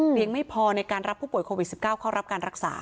ยังไม่พอในการรับผู้ป่วยโควิด๑๙เข้ารับการรักษา